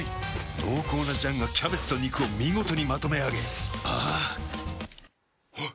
濃厚な醤がキャベツと肉を見事にまとめあげあぁあっ。